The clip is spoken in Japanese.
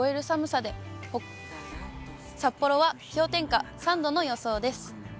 寒さで、札幌は氷点下３度の予想です。